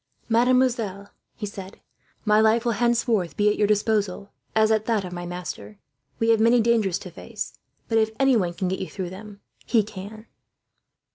"Mademoiselle," he said, "my life will henceforth be at your disposal, as at that of my master. We may have dangers to face, but if anyone can get you through them, he can."